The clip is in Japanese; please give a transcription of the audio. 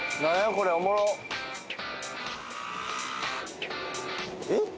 これおもろっえっ？